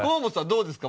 どうですか？